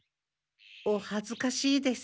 おはずかしいです。